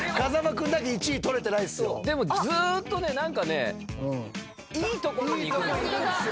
でもずーっとね何かねいいところにいくんですよ。